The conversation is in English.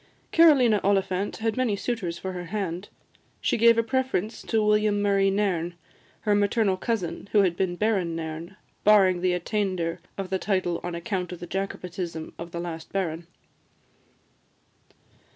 Carolina Oliphant had many suitors for her hand: she gave a preference to William Murray Nairn, her maternal cousin, who had been Baron Nairn, barring the attainder of the title on account of the Jacobitism of the last Baron.